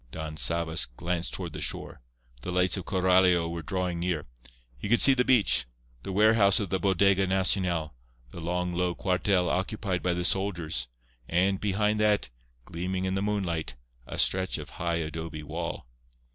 Don Sabas glanced toward the shore. The lights of Coralio were drawing near. He could see the beach, the warehouse of the Bodega Nacional, the long, low cuartel occupied by the soldiers, and, behind that, gleaming in the moonlight, a stretch of high adobe wall.